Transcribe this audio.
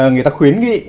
người ta khuyến nghị